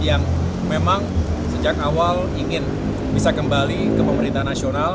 yang memang sejak awal ingin bisa kembali ke pemerintah nasional